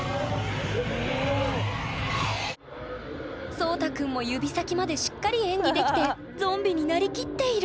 颯太くんも指先までしっかり演技できてゾンビになりきっている！